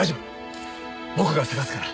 僕が探すから。